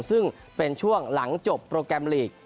ซึ่งเป็นช่วงหลังจบโปรแกรมลีก